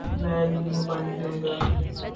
میں لیموں پانی پیوں گا